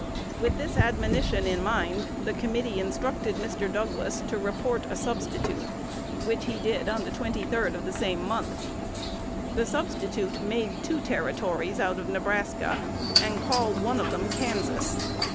With this admonition in mind, the Committee instructed Mr. Douglas to report a substitute, which he did on the 23d of the same month. The substitute made two Territories out of Nebraska, and called one of them Kansas.